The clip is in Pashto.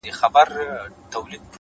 لوړ همت د ستونزو قد ټیټوي’